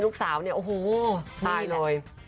ลูกสาวเนี่ยโอ้โหตายเลย